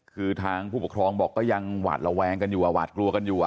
คือทางผู้ปกครองบอกก็ยังหวาดระแวงกันอยู่หวาดกลัวกันอยู่